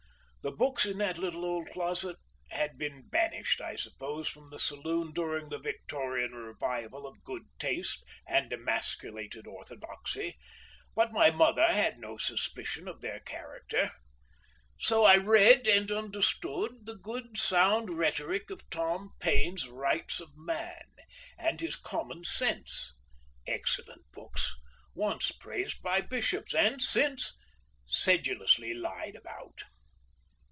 The books in that little old closet had been banished, I suppose, from the saloon during the Victorian revival of good taste and emasculated orthodoxy, but my mother had no suspicion of their character. So I read and understood the good sound rhetoric of Tom Paine's "Rights of Man," and his "Common Sense," excellent books, once praised by bishops and since sedulously lied about.